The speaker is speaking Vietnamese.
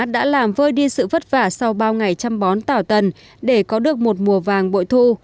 đã làm vơi đi sự vất vả sau bao ngày chăm bón tảo tần để có được một mùa vàng bội thu